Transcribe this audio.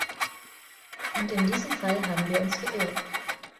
Und in diesem Fall haben wir uns geirrt.